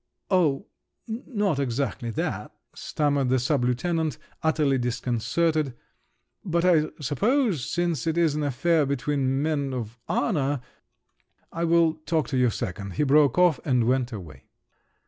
"Oh, not exactly that," stammered the sub lieutenant, utterly disconcerted, "but I supposed since it is an affair between men of honour … I will talk to your second," he broke off, and went away.